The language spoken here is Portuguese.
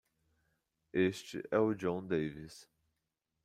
Este é o Jon Davis.